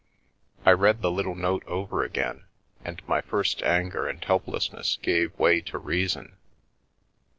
I read the little note over again, and my first anger and helplessness gave way to reason.